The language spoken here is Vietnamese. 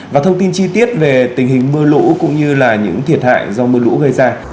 và thông tin chi tiết về tình hình mưa lũ cũng như là những thiệt hại do mưa lũ gây ra